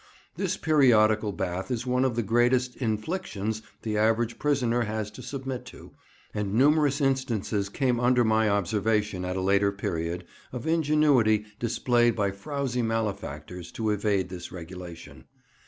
This periodical bath is one of the greatest "inflictions" the average prisoner has to submit to, and numerous instances came under my observation at a later period, of ingenuity displayed by frowzy malefactors to evade this regulation.